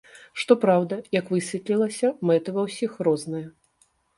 Што праўда, як высветлілася, мэты ва ўсіх розныя.